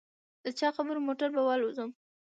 د چا خبره موټر به والوزووم.